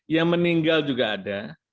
yang meninggal juga ada